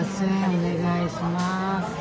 お願いします。